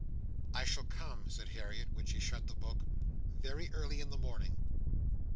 "I shall come," said Harriet, when she shut the book, "very early in the morning."